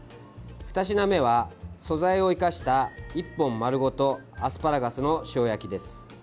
２品目は、素材を生かした１本丸ごと「アスパラガスの塩焼き」です。